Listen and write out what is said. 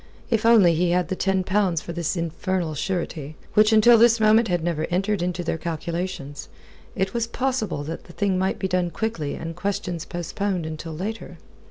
If only he had the ten pounds for this infernal surety, which until this moment had never entered into their calculations, it was possible that the thing might be done quickly and questions postponed until later.